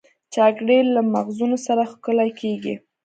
چاکلېټ له مغزونو سره ښکلی کېږي.